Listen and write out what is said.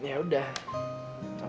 aku udah berhenti